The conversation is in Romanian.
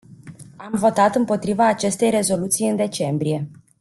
Am votat împotriva acestei rezoluții în decembrie.